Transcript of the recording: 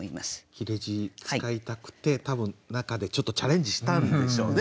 切字使いたくて多分中でちょっとチャレンジしたんでしょうね。